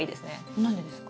何でですか？